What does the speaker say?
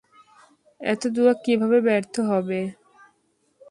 এত দুআ কিভাবে ব্যর্থ হবে?